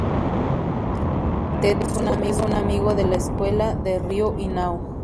Tetsu es un amigo de la escuela de Ryū y Nao.